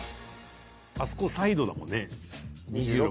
あそこサイドだもんね２６。